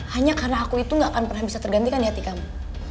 hanya karena aku itu gak akan pernah bisa tergantikan di hati kamu